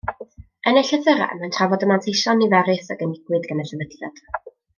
Yn ei llythyrau, mae'n trafod y manteision niferus a gynigiwyd gan y Sefydliad.